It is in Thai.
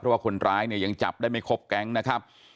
เพราะว่าคนร้ายเนี่ยยังจับได้ไม่ครบแก๊งนะครับ